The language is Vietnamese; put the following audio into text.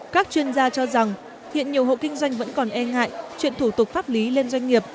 các chuyên gia cho rằng hiện nhiều hộ kinh doanh vẫn còn e ngại chuyện thủ tục pháp lý lên doanh nghiệp